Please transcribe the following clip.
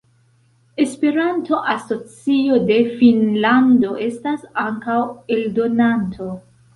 Esperanto-Asocio de Finnlando estas ankaŭ eldonanto.